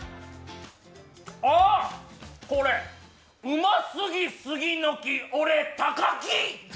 あっ、これ、うますぎすぎのき、俺、高木。